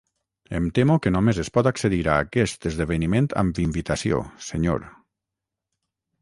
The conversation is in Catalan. Em temo que només es pot accedir a aquest esdeveniment amb invitació, senyor.